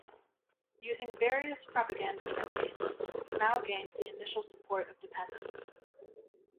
Using various propaganda campaigns, Mao gained the initial support of the peasants.